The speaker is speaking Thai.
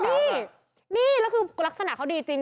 นี่นี่แล้วคือลักษณะเขาดีจริง